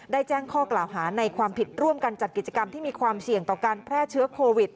แจ้งข้อกล่าวหาในความผิดร่วมกันจัดกิจกรรมที่มีความเสี่ยงต่อการแพร่เชื้อโควิด